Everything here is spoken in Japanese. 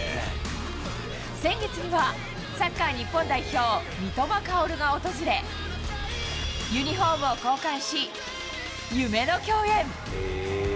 先月には、サッカー日本代表、三笘薫が訪れ、ユニホームを交換し、夢の共演。